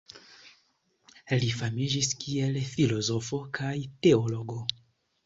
Li famiĝis kiel filozofo kaj teologo.